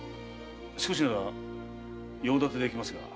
少しなら用立てできますが。